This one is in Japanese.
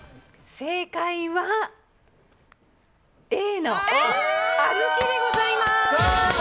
正解はＡの小豆でございます！